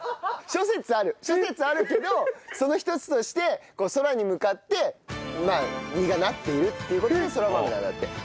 諸説あるけどその一つとして空に向かって実がなっているっていう事でそら豆なんだって。